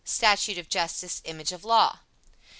"Statue of Justice image of law."